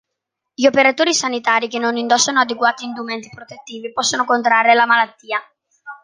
Gli operatori sanitari che non indossano adeguati indumenti protettivi possono contrarre la malattia.